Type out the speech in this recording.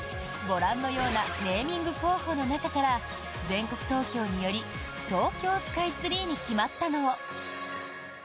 ご覧のようなネーミング候補の中から全国投票により東京スカイツリーに決まったのを。